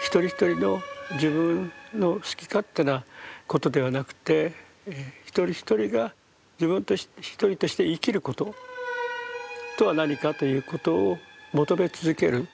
一人一人の自分の好き勝手なことではなくて一人一人が自分一人として生きることとは何かということを求め続ける。